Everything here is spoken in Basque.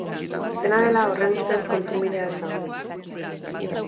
Dena dela, horren ustez, konponbidea ez da hori.